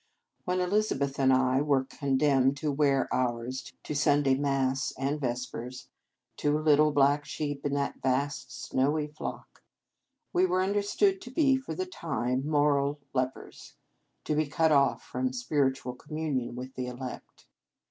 When Eliz abeth and I were condemned to weai ours to Sunday Mass and Vespers, two little black sheep in that vast snowy flock, we were understood to be, for the time, moral lepers, to be cut off from spiritual communion with the elect.